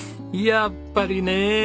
やっぱりね！